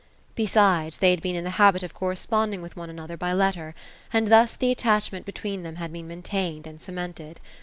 Besides, they had been in the habit of cor responding with one another by letter ; and thus the attachment between them had been maintained and cemented.